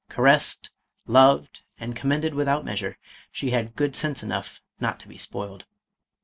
Ca ressed, loved, and commended without measure, she had good sense enough not to be spoiled.